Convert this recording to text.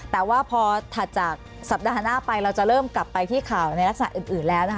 แต่ว่าพอถัดจากสัปดาห์หน้าไปเราจะเริ่มกลับไปที่ข่าวในลักษณะอื่นแล้วนะคะ